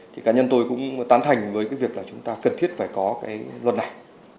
thì cá nhân tôi cũng tán thành với cái việc là chúng ta cần thiết phải có cái luật này